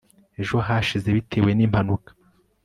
ejo hashize bitewe nimpanuka